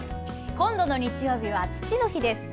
今度の日曜日は父の日です。